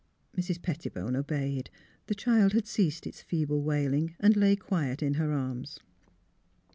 Mrs. Pettibone obeyed. The child had ceased its feeble wailing and lay quiet in her arms.